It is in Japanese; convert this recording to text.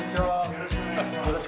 よろしくお願いします。